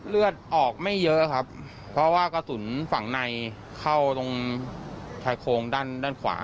เลือดออกไม่เยอะครับเพราะว่ากระสุนฝั่งในเข้าตรงชายโครงด้านด้านขวา